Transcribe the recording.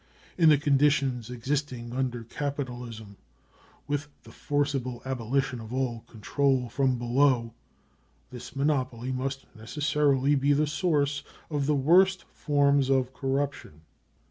In the conditions existing under capitalism, with the forcible abolition of all control from below, this monopoly must necessarily be the source of the worst forms of corruption.